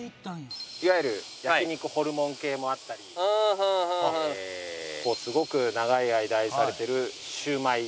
いわゆる焼肉ホルモン系もあったりすごく長い間愛されてるしゅうまい。